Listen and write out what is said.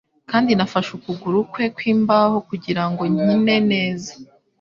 Kandi nafashe ukuguru kwe kwimbaho kugirango nkine neza.